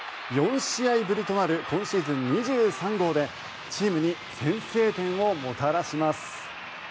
４試合ぶりとなる今シーズン２３号でチームに先制点をもたらします。